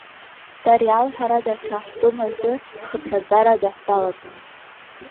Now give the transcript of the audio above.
Тариал ҳара дахьаҳтәым азы ҳхыԥхьаӡара даҳзалаҵом.